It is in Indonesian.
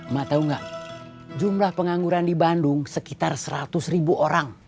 ma tahu nggak jumlah pengangguran di bandung sekitar seratus ribu orang